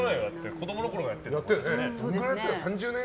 子供のころからやってるもん。